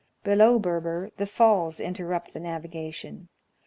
Below Berber the falls interrupt the navigation.